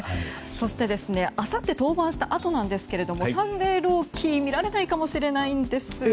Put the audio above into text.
そして、あさって登板したあとなんですけどもサンデー朗希見られないかもしれないんです。